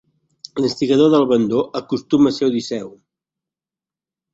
L'instigador de l'abandó acostuma a ser Odisseu.